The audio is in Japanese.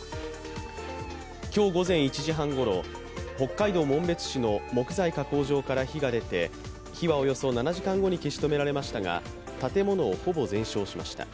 今日午前１時半ごろ、北海道紋別市の木材加工場から火が出て火はおよそ７時間後に消し止められましたが建物をほぼ全焼しました。